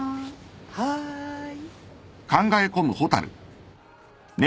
はい。